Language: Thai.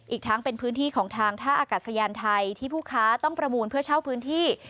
อีกทั้งเป็นพื้นที่ของทางท่าอากาศยานไทยที่ผู้ค้าต้องประมูลเพื่อเช่าพื้นที่